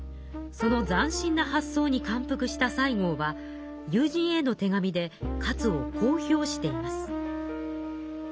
そのざん新な発想に感服した西郷は友人への手紙で勝をこう評しています。